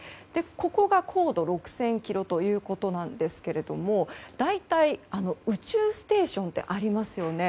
ここが高度６０００ｋｍということなんですが大体、宇宙ステーションってありますよね。